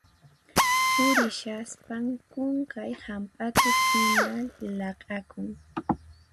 Purishaspan qunqay hamp'atu hina laq'akun.